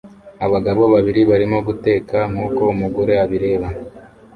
Abagabo babiri barimo guteka nkuko umugore abireba